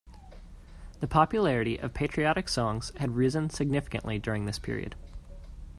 The popularity of patriotic songs had risen significantly during this period.